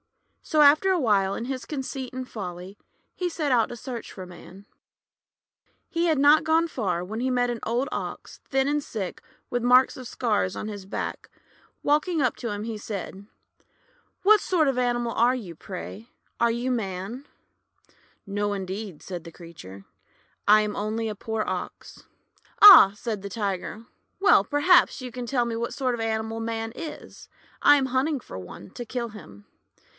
So after a while, in his conceit and folly, he set out to search for Man. He had not gone far when he met an old Ox, thin and sick, with marks of scars on his back. Walking up to him, he said: — THE TIGER AND THE MAN 185 'What sort of an animal are you, pray? Are you Man?" "No, indeed," said the creature, "I am only a poor Ox." " Ah !" said the Tiger. " Well, perhaps you can tell me what sort of an animal Man is. I am hunting for one, to kill him."